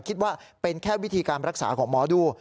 คิดว่าเป็นแค่วิธีการรักษาของหมอดู